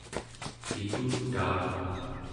kiputaa